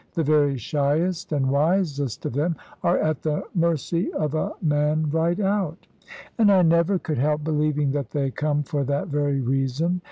The very shyest and wisest of them are at the mercy of a man right out. And I never could help believing that they come for that very reason.